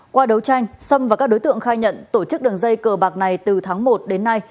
qua đấu tranh xâm và các đối tượng khai nhận tổ chức đường dây cờ bạc này từ tháng một đến nay